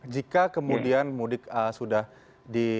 jika kemudian mudik sudah di